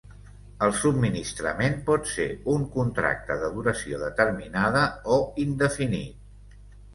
El subministrament pot ser un contracte de duració determinada o indefinit.